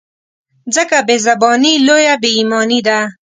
ځکه بې زباني لویه بې ایماني ده.